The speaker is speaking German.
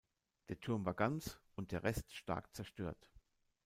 Der Turm war ganz und der Rest stark zerstört.